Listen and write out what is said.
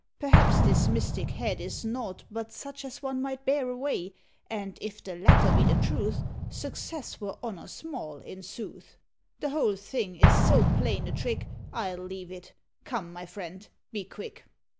Perhaps this mystic head is naught But such as one might bear away; And if the latter be the truth, Success were honour small, in sooth. The whole thing is so plain a trick, I'll leave it. Come, my friend, be quick."